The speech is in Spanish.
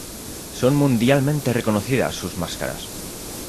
Son mundialmente reconocidas sus máscaras.